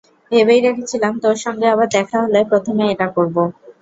ভেবেই রেখেছিলাম, তোর সঙ্গে আবার দেখা হলে প্রথমেই এটা করব।